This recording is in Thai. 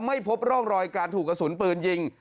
ไม่พบร่องรอยการถูกกระสุนปืนยิง